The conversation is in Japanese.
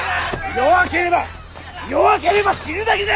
弱ければ弱ければ死ぬだけじゃ！